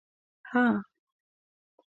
_هه!